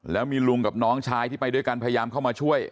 แล้วมีลุงกับน้องชายที่ไปด้วยกันพยายามเข้ามาช่วย